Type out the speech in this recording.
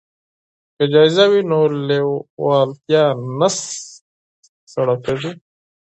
که جایزه وي نو لیوالتیا نه سړه کیږي.